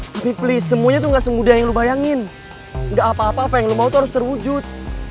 tapi please semuanya tuh gak semudah yang lu bayangin nggak apa apa apa yang lo mau tuh harus terwujud